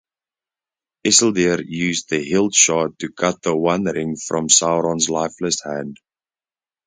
Isildur used the hilt-shard to cut the One Ring from Sauron's lifeless hand.